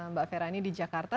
mbak fera ini di jakarta